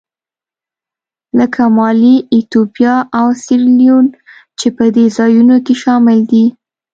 لکه مالي، ایتوپیا او سیریلیون چې په دې ځایونو کې شامل دي.